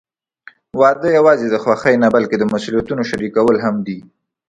واده یوازې د خوښۍ نه، بلکې د مسوولیتونو شریکول هم دي.